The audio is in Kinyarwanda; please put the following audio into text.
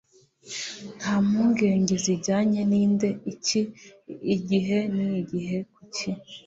nta mpungenge zijyanye ninde, iki, igihe nigihe kuki